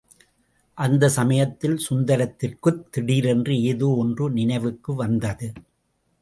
அந்தச் சமயத்தில் சுந்தரத்திற்குத் திடீரென்று ஏதோ ஒன்று நினைவுக்கு வந்தது.